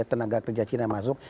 tenaga kerja cina masuk